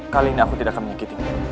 kali ini aku tidak akan mengikutinya